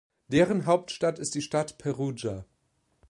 Deren Hauptstadt ist die Stadt Perugia.